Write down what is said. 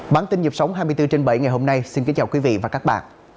bản tin nhịp sống hai mươi bốn trên bảy ngày hôm nay xin kính chào quý vị và các bạn